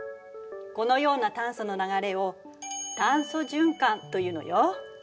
このような炭素の流れを炭素循環というのよ。